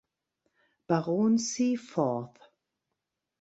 Baron Seaforth.